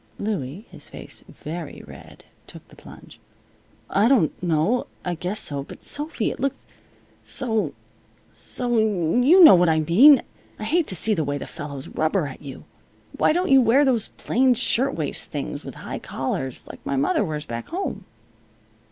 Louie, his face very red, took the plunge. "I don't know. I guess so. But, Sophy, it looks so so you know what I mean. I hate to see the way the fellows rubber at you. Why don't you wear those plain shirtwaist things, with high collars, like my mother wears back home?"